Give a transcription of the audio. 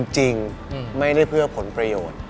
จริงไม่ได้เพื่อผลประโยชน์